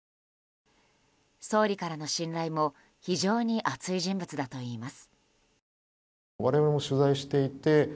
総理からの信頼も非常に厚い人物だといいます。